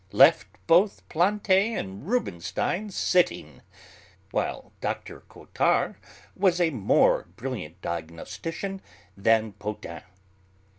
left both Planté and Rubinstein 'sitting'; while Dr. Cottard was a more brilliant diagnostician than Potain.